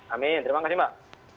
amin terima kasih mbak